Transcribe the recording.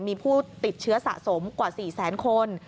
มีผู้ติดเชื้อสะสมกว่า๔แสนคน